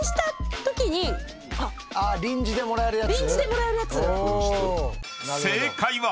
臨時でもらえるやつ！